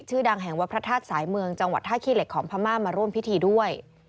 ชื่อดังแห่งวัดพระธาตุสายเมืองจังหวัดท่าขี้เหล็กของพม่ามาร่วมพิธีด้วย